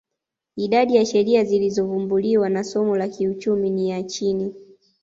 Idadi ya sheria zilizovumbuliwa na somo la kiuchumi ni ya chini